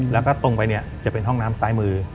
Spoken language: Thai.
แล้วก็ตรงไปเนี่ยจะเป็นห้องน้ำซ้ายมือ